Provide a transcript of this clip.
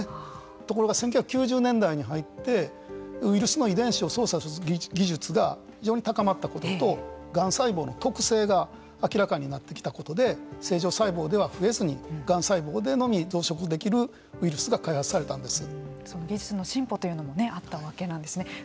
ところが１９９０年代に入ってウイルスの遺伝子を操作する技術が非常に高まったこととがん細胞の特性が明らかになってきたことで正常細胞では増えずにがん細胞でのみ増殖できるウイルスが技術の進歩というのもあったわけなんですね。